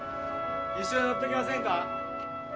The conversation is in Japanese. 一緒に乗っていきませんか？